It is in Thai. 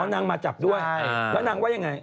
นางมาจับด้วยแล้วนางว่ายังไง